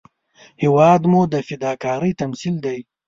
هېواد مو د فداکارۍ تمثیل دی